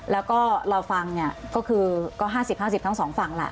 แล้วก็เราฟังเนี่ยก็คือก็๕๐๕๐ทั้งสองฝั่งแหละ